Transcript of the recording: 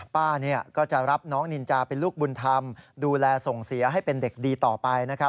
ป้าก็จะรับน้องนินจาเป็นลูกบุญธรรมดูแลส่งเสียให้เป็นเด็กดีต่อไปนะครับ